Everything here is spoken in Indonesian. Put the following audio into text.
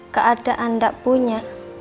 keadaan gak punya